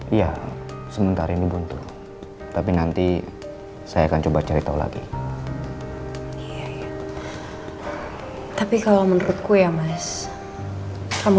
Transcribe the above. iya sementara ini buntu tapi nanti saya akan coba cari tahu lagi tapi kalau menurutku ya mas kamu